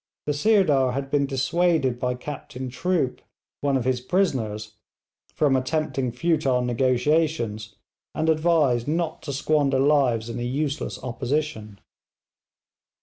The Sirdar had been dissuaded by Captain Troup, one of his prisoners, from attempting futile negotiations, and advised not to squander lives in useless opposition.